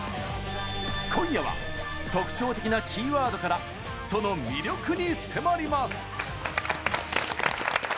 今夜は、特徴的なキーワードからその魅力に迫ります！